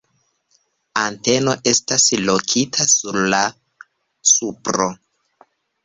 Anteno estas lokita sur la supro.